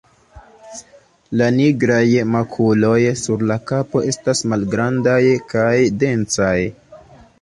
La nigraj makuloj sur la kapo estas malgrandaj kaj densaj.